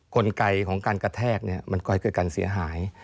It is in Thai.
กลไกของการกระแทกมันก็คือการเสียหาย